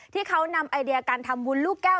ที่เขานำไอเดียการทำบุญลูกแก้ว